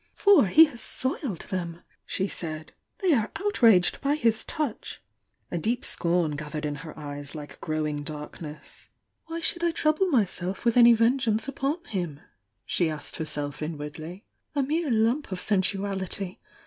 "For he has soiled them!" she said— "They are outraged by his touch!" A deep scorn j'athered in her eyes like growing darkness. "Why should I trouble myself with any vengeance upon him?" she asked herself inwardly. "A mere lump of sensuality!